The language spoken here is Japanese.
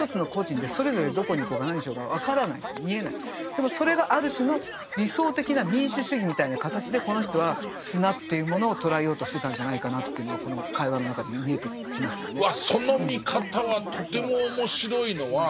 でもそれがある種の理想的な民主主義みたいな形でこの人は砂というものを捉えようとしてたんじゃないかなというのがこの会話の中で見えてきますよね。